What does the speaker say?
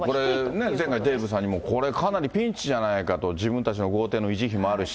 これデーブさん、ピンチじゃないかと、自分たちの公邸の維持費もあるし。